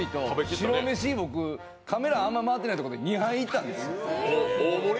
白飯、カメラあんま回ってないところで２杯いったんです。